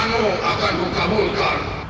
permintaanmu akan kukabulkan